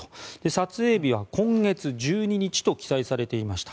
撮影日は今月１２日と記載されていました。